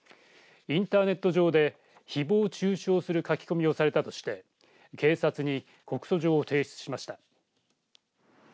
インターネット上でひぼう中傷する書き込みをされたとして警察に告訴状を提出しました。